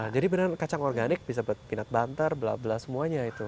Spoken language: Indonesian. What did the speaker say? jadi beneran kacang organik bisa buat peanut butter bla bla semuanya itu